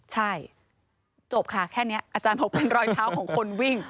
ใช่จบค่ะแค่นี้อาจารย์บอกเป็นรอยเท้าของคนวิ่ง